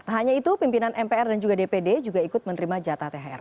tak hanya itu pimpinan mpr dan juga dpd juga ikut menerima jatah thr